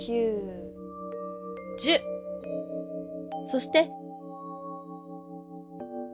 そして。